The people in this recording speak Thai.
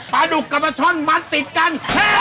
ปลาดุกกับปลาช่อนมันติดกัน